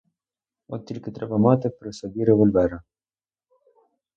От тільки треба мати при собі револьвера.